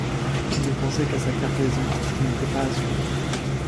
Il ne pensait qu’à sa cargaison qui n’était pas assurée.